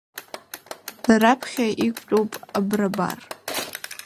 Раԥхьа иқәтәоуп Абрабар…